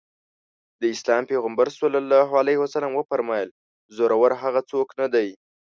د اسلام پيغمبر ص وفرمايل زورور هغه څوک نه دی.